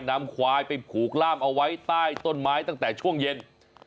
นำควายไปผูกล่ามเอาไว้ใต้ต้นไม้ตั้งแต่ช่วงเย็น